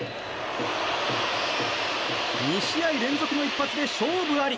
２試合連続の一発で勝負あり。